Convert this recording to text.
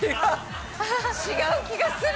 ◆違う気がする。